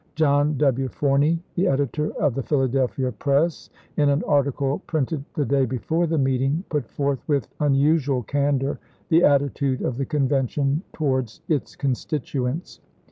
John W. Forney, the editor of the " Philadelphia Press," in an article printed the day before the meeting, put forth with unusual candor the atti tude of the Convention towards its constituents.